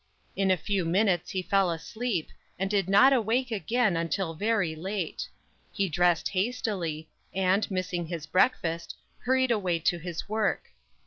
In a few minutes he fell asleep, and did not awake again until very late. He dressed hastily, and, missing his breakfast, hurried away to his work.